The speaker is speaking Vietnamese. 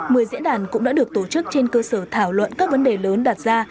mười diễn đàn cũng đã được tổ chức trên cơ sở thảo luận các vấn đề lớn đặt ra